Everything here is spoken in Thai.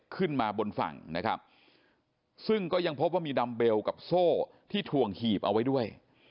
ขึ้นมาบนฝั่งนะครับซึ่งก็ยังพบว่ามีดัมเบลกับโซ่ที่ถ่วงหีบเอาไว้ด้วย